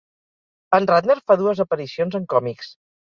En Radner fa dues aparicions en còmics.